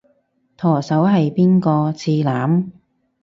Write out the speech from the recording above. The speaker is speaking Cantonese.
舵手係邊個？次男？